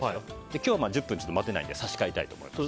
今日は１０分待てないんで差し替えたいと思います。